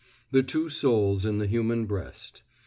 THE TWO SOULS IN THE HUMAN BREAST.